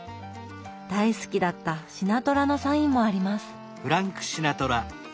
大好きだったシナトラのサインもあります。